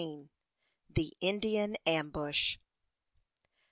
THE INDIAN AMBUSH.